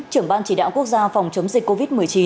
trưởng ban chỉ đạo quốc gia phòng chống dịch covid một mươi chín